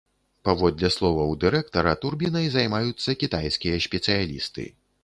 Паводле словаў дырэктара, турбінай займаюцца кітайскія спецыялісты.